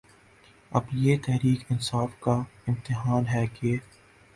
اب یہ تحریک انصاف کا امتحان ہے کہ